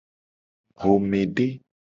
Xomede.